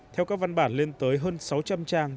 theo các văn bản lên tới hơn sáu trăm linh trang